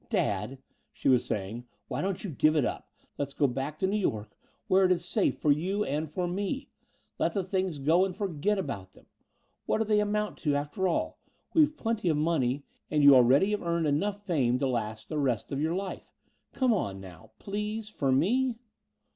"Dad," she was saying, "why don't you give it up? Let's go back to New York where it is safe for you and for me. Let the things go and forget about them. What do they amount to, after all? We've plenty of money and you already have earned enough fame to last the rest of your life. Come on now please for me."